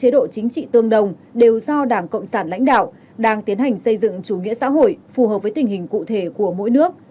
đều do đảng cộng sản lãnh đạo đang tiến hành xây dựng chủ nghĩa xã hội phù hợp với tình hình cụ thể của mỗi nước